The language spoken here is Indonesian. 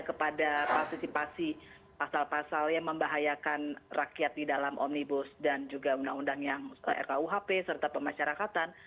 kepada partisipasi pasal pasal yang membahayakan rakyat di dalam omnibus dan juga undang undang yang rkuhp serta pemasyarakatan